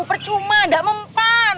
percuma gak mempan